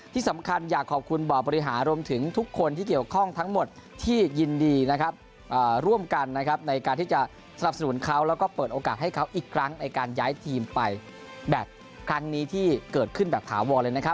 ที่สำคัญอยากขอบคุณบ่อบริหารรวมถึงทุกคนที่เกี่ยวข้องทั้งหมดที่ยินดีนะครับร่วมกันนะครับในการที่จะสนับสนุนเขาแล้วก็เปิดโอกาสให้เขาอีกครั้งในการย้ายทีมไปแบตครั้งนี้ที่เกิดขึ้นแบบถาวรเลยนะครับ